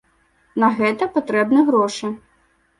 На гэта патрэбны грошы.